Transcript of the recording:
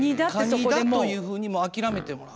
蟹だというふうにもう諦めてもらう。